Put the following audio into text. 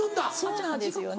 そうなんですよね。